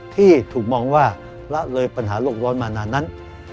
ที่ถูกมองว่าละเลยปัญหาโลกร้อนมานานนั้น